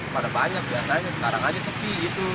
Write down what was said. sejak kejadian itu